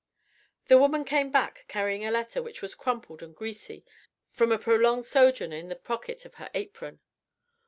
The woman came back carrying a letter which was crumpled and greasy from a prolonged sojourn in the pocket of her apron.